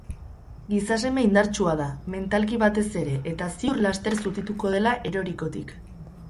Gizaseme indartsua da, mentalki batez ere eta ziur laster zutituko dela erorikotik.